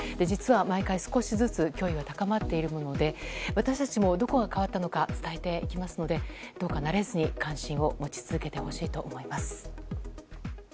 実は毎回少しずつ脅威は高まっているので私たちもどこが変わったのか伝えていきますのでどうか慣れずに関心を持ち続けてほしいと思います。